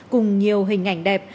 cùng nhiều hình ảnh đẹp